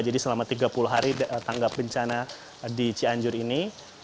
jadi selama tiga puluh hari tanggap bencana di cianjur ini